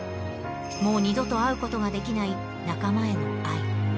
もう二度と会うことができない仲間への愛。